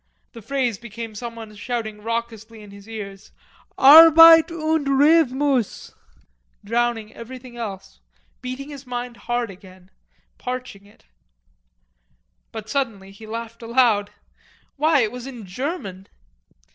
The phrase became someone shouting raucously in his ears: "Arbeit und Rhythmus," drowning everything else, beating his mind hard again, parching it. But suddenly he laughed aloud. Why, it was in German.